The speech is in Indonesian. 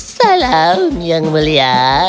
salam yang mulia